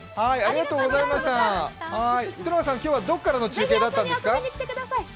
糸永さん、今日はどこからの中継だったんですか？